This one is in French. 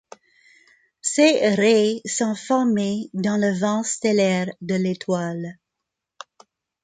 Ces raies sont formées dans le vent stellaire de l'étoile.